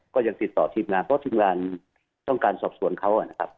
ก็ยังติดต่อทีมงานเพราะทีมงานต้องการสอบสวนเขานะครับ